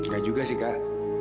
gak juga sih kak